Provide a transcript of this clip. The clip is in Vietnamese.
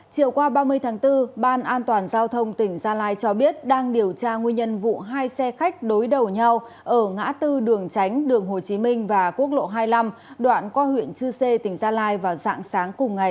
chiều qua ba mươi tháng bốn ban an toàn giao thông tỉnh gia lai cho biết đang điều tra nguyên nhân vụ hai xe khách đối đầu nhau ở ngã tư đường tránh đường hồ chí minh và quốc lộ hai mươi năm đoạn qua huyện chư sê tỉnh gia lai vào dạng sáng cùng ngày